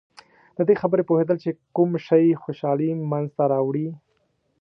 د دې خبرې پوهېدل چې کوم شی خوشحالي منځته راوړي.